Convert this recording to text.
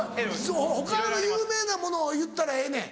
他有名なものを言ったらええねん。